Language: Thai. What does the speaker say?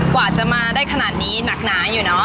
กว่าจะมาได้ขนาดนี้หนักหนาอยู่เนอะ